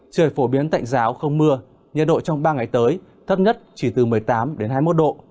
trời phổ biến tạnh giáo không mưa nhiệt độ trong ba ngày tới thấp nhất chỉ từ một mươi tám đến hai mươi một độ